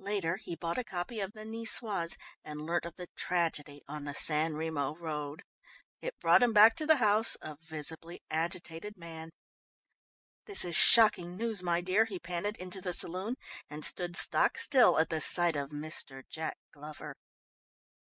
Later he bought a copy of the Nicoise and learnt of the tragedy on the San Remo road. It brought him back to the house, a visibly agitated man. "This is shocking news, my dear," he panted into the saloon and stood stock still at the sight of Mr. Jack Glover.